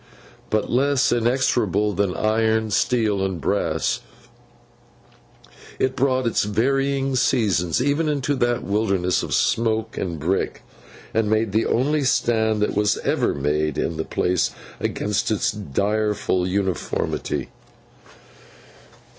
But, less inexorable than iron, steel, and brass, it brought its varying seasons even into that wilderness of smoke and brick, and made the only stand that ever was made in the place against its direful uniformity.